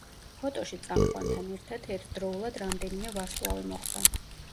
ფოტოში წამყვანთან ერთად ერთდროულად რამდენიმე ვარსკვლავი მოხვდა.